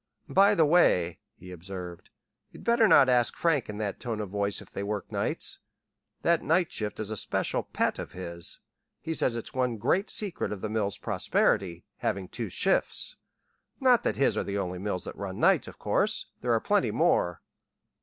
"By the way," he observed, "you'd better not ask Frank in that tone of voice if they work nights. That night shift is a special pet of his. He says it's one great secret of the mills' prosperity having two shifts. Not that his are the only mills that run nights, of course there are plenty more."